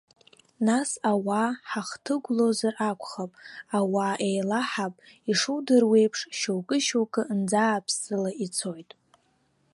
Нас ауаа ҳахҭыгәлозар акәхап, ауаа еилаҳап, ишудыруеиԥш, шьоукы-шьоукы нӡааԥсыла ицоит.